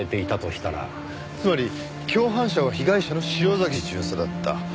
つまり共犯者は被害者の潮崎巡査だった。